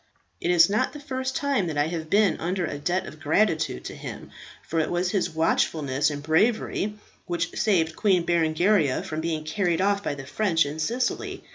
It is not the first time that I have been under a debt of gratitude to him; for it was his watchfulness and bravery which saved Queen Berengaria from being carried off by the French in Sicily.